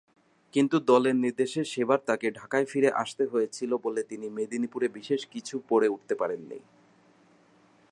কিন্তু দলের নির্দেশে সেবার তাকে ঢাকায় ফিরে আসতে হয়েছিল বলে তিনি মেদিনীপুরে বিশেষ কিছুই পরে উঠতে পারেননি।